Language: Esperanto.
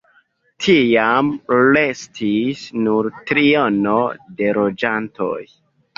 Tiam restis nur triono de loĝantoj.